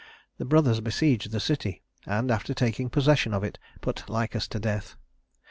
The brothers besieged the city; and, after taking possession of it, put Lycus to death.